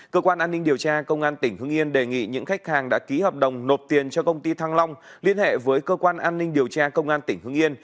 cơ quan an ninh điều tra công an tỉnh hưng yên đề nghị những khách hàng đã ký hợp đồng nộp tiền cho công ty thăng long liên hệ với cơ quan an ninh điều tra công an tỉnh hưng yên